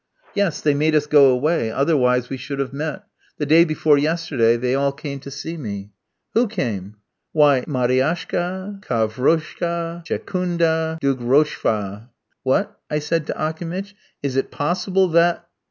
"Yes; they made us go away, otherwise we should have met. The day before yesterday they all came to see me." "Who came?" "Why, Mariashka, Khavroshka, Tchekunda, Dougrochva" (the woman of four kopecks). "What," I said to Akimitch, "is it possible that